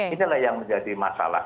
inilah yang menjadi masalah